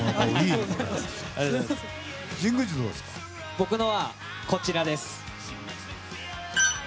僕のはこちらです。